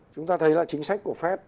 chúng ta thấy là chính sách của fed